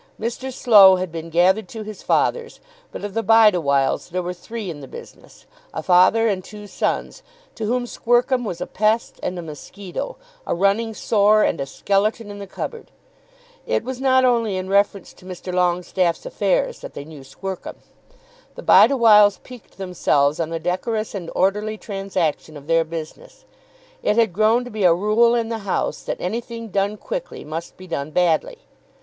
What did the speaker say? Mr. Slow had been gathered to his fathers, but of the Bideawhiles there were three in the business, a father and two sons, to whom Squercum was a pest and a musquito, a running sore and a skeleton in the cupboard. It was not only in reference to Mr. Longestaffe's affairs that they knew Squercum. The Bideawhiles piqued themselves on the decorous and orderly transaction of their business. It had grown to be a rule in the house that anything done quickly must be done badly.